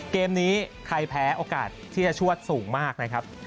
เกมนี้ใครแพ้โอกาสที่จะชวดสูงมากนะครับ